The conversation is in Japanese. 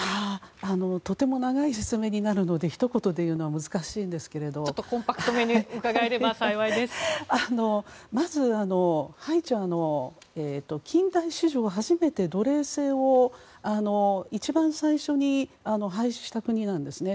とても長い説明になるのでひと言でいうのは難しいんですけどもまず、ハイチは近代史上初めて奴隷制を一番最初に廃止した国なんですね。